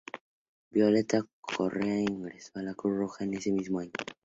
Violeta Correa ingresó a la Cruz Roja ese mismo año.